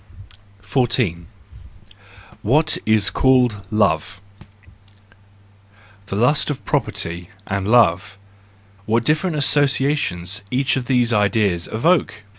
14. What is called Love .—The lust of property and love: what different associations each of these Ideas evoke!